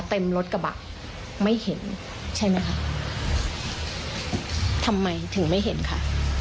เต็มรถกระบะไม่เห็นใช่ไหมคะทำไมถึงไม่เห็นค่ะ